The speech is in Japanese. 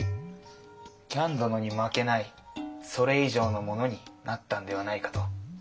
喜屋武殿に負けないそれ以上のものになったんではないかと。